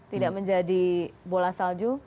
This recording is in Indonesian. tidak menjadi bola salju